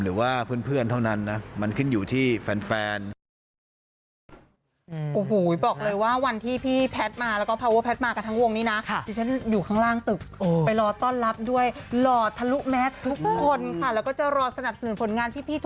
หรือว่าเพื่อนเท่านั้นนะมันขึ้นอยู่ที่แฟน